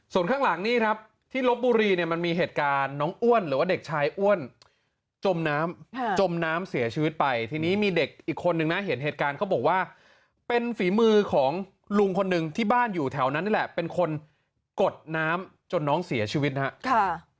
ส่วนข้างหลังนี่ครับที่ลบบุรีเนี่ยมันมีเหตุการณ์น้องอ้วนหรือว่าเด็กชายอ้วนจมน้ำจมน้ำเสียชีวิตไปทีนี้มีเด็กอีกคนนึงนะเห็นเหตุการณ์เขาบอกว่าเป็นฝีมือของลุงคนหนึ่งที่บ้านอยู่แถวนั้นนี่แหละเป็นคนกดน้ำจนน้องเสียชีวิตนะครับ